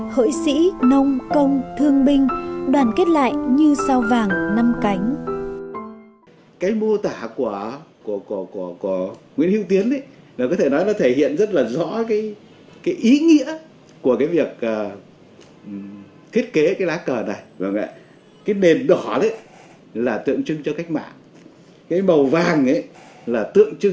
hỡi sĩ nông công thương binh đoàn kết lại như sao vàng năm cánh